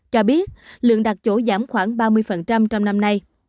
cho biết lượng đặt chỗ giảm khoảng ba mươi trong năm nay